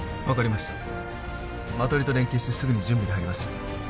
分かりましたマトリと連携してすぐに準備に入ります